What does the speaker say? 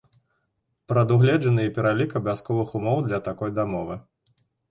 Прадугледжаны і пералік абавязковых умоў для такой дамовы.